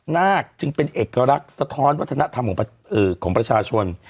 นาคจึงเป็นเอกลักษณ์สะท้อนวัฒนธรรมของประชาชน